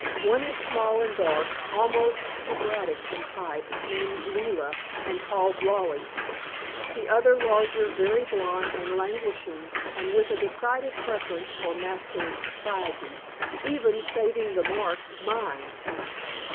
One is small and dark, almost Hebraic in type, named Leila and called Lollie. The other, larger, very blonde and languishing, and with a decided preference for masculine society, even, saving the mark, mine!